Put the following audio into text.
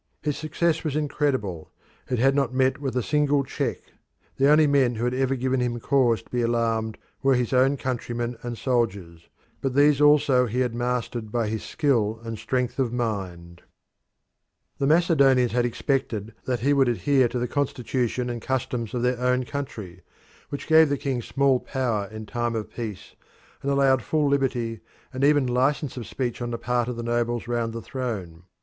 His success was incredible; it had not met with a single check. The only men who had ever given him cause to be alarmed were his own countrymen and soldiers, but these also he had mastered by his skill and strength of mind. The Macedonians The Macedonians had expected that he would adhere to the constitution and customs of their own country, which gave the king small power in time of peace and allowed full liberty and even licence of speech on the part of the nobles round the throne.